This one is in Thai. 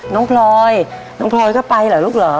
พลอยน้องพลอยก็ไปเหรอลูกเหรอ